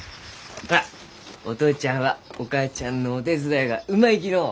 ほらお父ちゃんはお母ちゃんのお手伝いがうまいきのう。